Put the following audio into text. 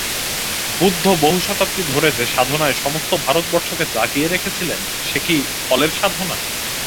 বুদ্ধ বহু শতাব্দী ধরে যে সাধনায় সমস্ত ভারতবর্ষকে জাগিয়ে রেখেছিলেন সে কি ফলের সাধনা?